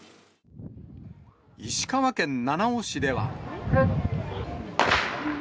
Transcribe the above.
石川県七尾市では。